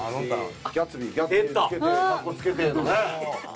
「ギャツビーつけてかっこつけて」のね。